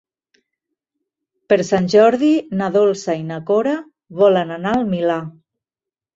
Per Sant Jordi na Dolça i na Cora volen anar al Milà.